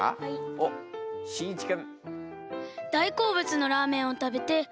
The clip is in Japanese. おっしんいち君。